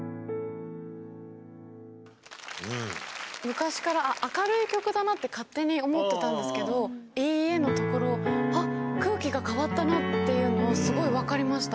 昔から明るい曲だなって勝手に思ってたんですけど、いいえのところ、あっ、空気が変わったなっていうのを、すごい分かりました。